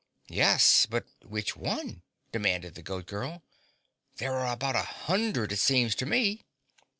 "Yes, but which one?" demanded the Goat Girl. "There are about a hundred it seems to me."